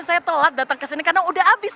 saya telat datang ke sini karena udah habis